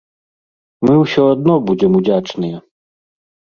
Мы ўсё адно будзем удзячныя.